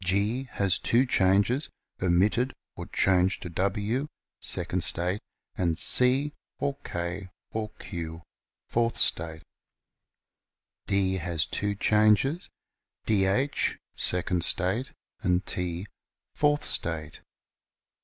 G has two changes, omitted or changed to W (second state) and C l or K or Q (fourth state). D has two changes, Dh ( second state) and T (fourth state).